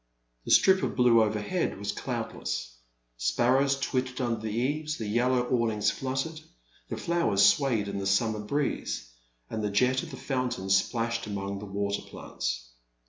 The strip of blue overhead was cloudless. Spar rows twittered under the eaves; the yellow awn ings fluttered, the flowers swayed in the summer breeze, and the jet of the fountain splashed among the water plants.